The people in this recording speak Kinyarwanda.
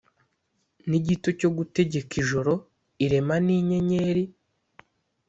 n’igito cyo gutegeka ijoro, irema n’inyenyeri.